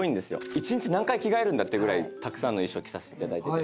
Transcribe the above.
１日何回着替えるんだっていうぐらいたくさんの衣装着させていただいてて。